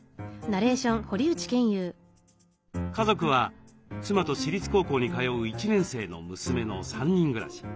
家族は妻と私立高校に通う１年生の娘の３人暮らし。